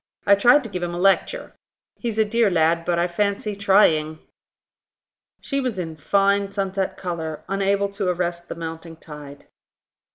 I tried to give him a lecture. He's a dear lad, but, I fancy, trying." She was in fine sunset colour, unable to arrest the mounting tide.